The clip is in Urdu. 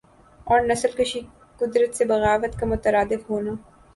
اور نسل کشی قدرت سے بغاوت کا مترادف ہونا